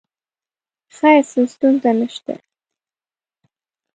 خیر څه ستونزه نه شته.